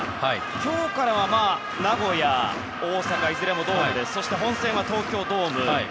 今日からは名古屋、大阪いずれもドームでそして本戦は東京ドーム。